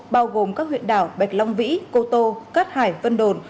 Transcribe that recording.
bao gồm các huyện đảo bạch long vĩ cô tô cát hải vân đồn